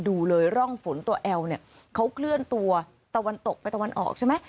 ดูเลยร่องฝนตัวแอลเนี่ยเขาเคลื่อนตัวตะวันตกไปตะวันออกใช่ไหม